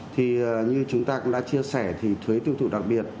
thì như chúng ta cũng đã chia sẻ thì thuế tiêu thụ đặc biệt